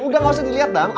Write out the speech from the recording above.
udah nggak usah diliat dang